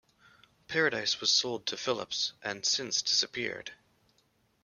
Paradise was sold to Philips, and since disappeared.